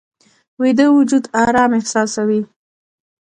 ویده وجود آرام احساسوي